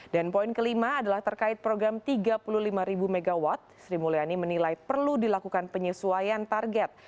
dan poin kelima adalah terkait program tiga puluh lima mw sri mulyani menilai perlu dilakukan penyesuaian target